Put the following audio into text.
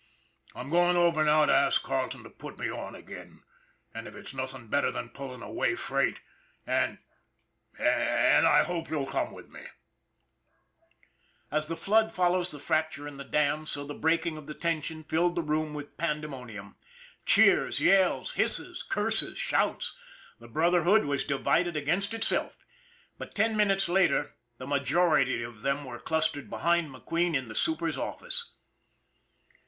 I'm going over now to ask Carle ton to put me on again, if it's nothing better than pulling a way freight. And and I hope you'll come with me." 290 ON THE IRON AT BIG CLOUD; As the flood follows the fracture in the dam, so the breaking of the tension filled the room with pande monium. Cheers, yells, hisses, curses, shouts the Brotherhood was divided against itself. But ten minutes later, the majority of them were clustered behind McQueen in the super's office.